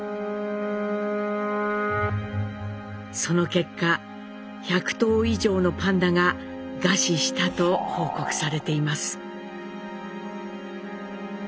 その結果１００頭以上のパンダが餓死したと報告されています。